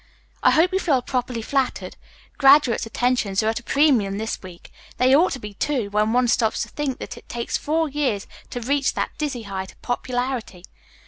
"I hope you feel properly flattered. Graduates' attentions are at a premium this week. They ought to be, too, when one stops to think that it takes four years to reach that dizzy height of popularity.